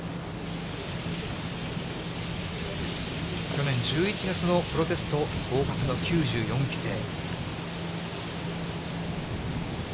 去年１１月のプロテスト合格の９４期生。